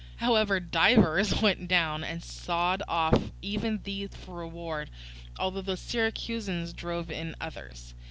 However divers went down and sawed off even these for reward; although the Syracusans drove in others.